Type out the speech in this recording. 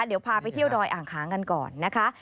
เดี๋ยวพาไปเที่ยวดอยอ่างขางกันก่อนนะคะ